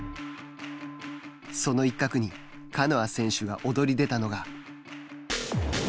その一角にカノア選手が躍り出たのが。